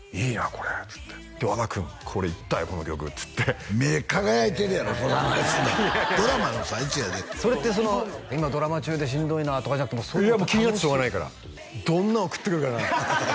これっつって和田君これいったよこの曲っつって目輝いてるやろこの話ドラマの最中やでそれって今ドラマ中でしんどいなとかじゃなくていや気になってしょうがないからどんなん送ってくるかな